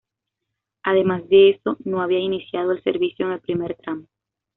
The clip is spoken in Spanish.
Además de eso, no había iniciado el servicio en el primer tramo.